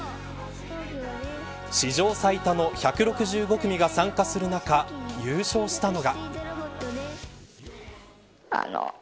史上最多の１６５組が参加する中優勝したのが。